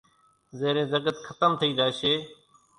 زيرين زڳت کتم ٿئي زاشي